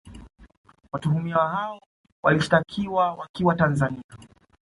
Watuhumiwa hao walishitakiwa wakiwa Tanzania